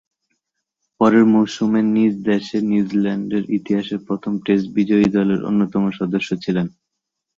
পরের মৌসুমে নিজ দেশে নিউজিল্যান্ডের ইতিহাসের প্রথম টেস্ট বিজয়ী দলের অন্যতম সদস্য ছিলেন।